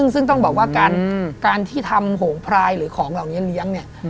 ซึ่งต้องบอกว่าการที่ทำโหงพรายหรือของเหล่านี้เลี้ยงเนี่ย